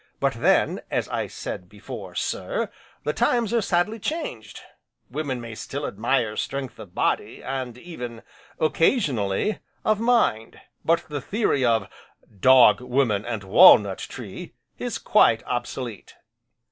But then, as I said before, sir, the times are sadly changed, women may still admire strength of body, and even occasionally of mind, but the theory of "Dog, woman, and walnut tree" is quite obsolete.